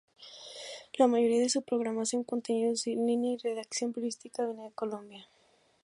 La mayoría de su programación, contenidos en línea y redacción periodística viene de Colombia.